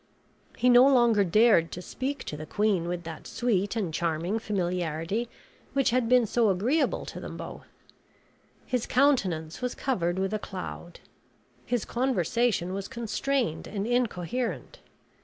He no longer dared to speak to the queen with that sweet and charming familiarity which had been so agreeable to them both. His countenance was covered with a cloud. His conversation was constrained and incoherent.